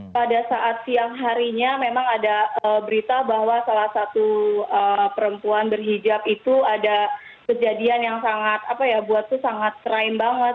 pada saat siang harinya memang ada berita bahwa salah satu perempuan berhijab itu ada kejadian yang sangat apa ya buatku sangat crime banget